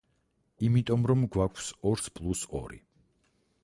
იმიტომ, რომ გვაქვს ორს პლუს ორი.